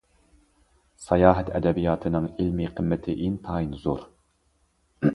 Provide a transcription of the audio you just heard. ساياھەت ئەدەبىياتىنىڭ ئىلمى قىممىتى ئىنتايىن زور.